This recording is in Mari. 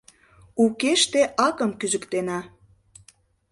Укеште акым кӱзыктена.